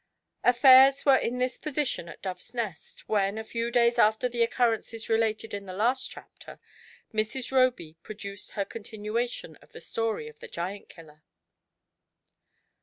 Affairs were in this position at Dove's Nest when, a few days after the occurrences related in the last chapter, Mrs. Roby produced her continuation of the story of the Giant killer.